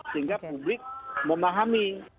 sehingga publik memahami